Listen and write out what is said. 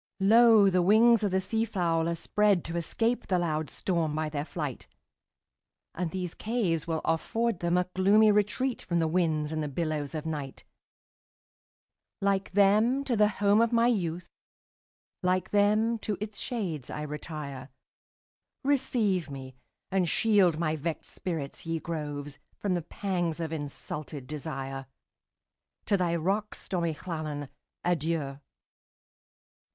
Lo! the wings of the sea fowl are spreadTo escape the loud storm by their flight; And these caves will afford them a gloomy retreatFrom the winds and the billows of night; Like them, to the home of my youth, Like them, to its shades I retire; Receive me, and shield my vexed spirit, ye groves, From the pangs of insulted desire! To thy rocks, stormy Llannon, adieu!